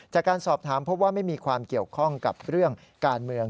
จากการสอบถามพบว่าไม่มีความเกี่ยวข้องกับเรื่องการเมือง